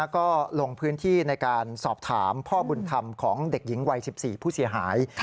ก็ลงพื้นที่ในการสอบถามพ่อบุญธรรมของเด็กหญิงวัย๑๔ผู้เสียหาย